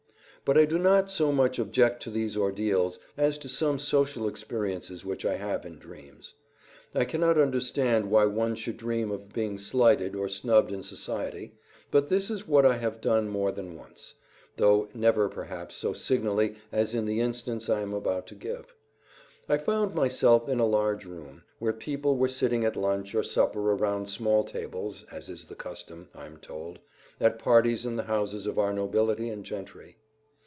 II But I do not so much object to these ordeals as to some social experiences which I have in dreams. I cannot understand why one should dream of being slighted or snubbed in society, but this is what I have done more than once, though never perhaps so signally as in the instance I am about to give. I found myself in a large room, where people were sitting at lunch or supper around small tables, as is the custom, I am told, at parties in the houses of our nobility and gentry.